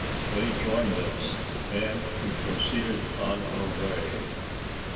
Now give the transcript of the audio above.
They joined us, and we proceeded on our way.